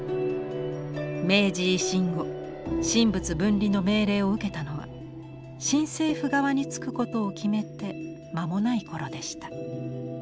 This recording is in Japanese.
明治維新後神仏分離の命令を受けたのは新政府側に付くことを決めて間もない頃でした。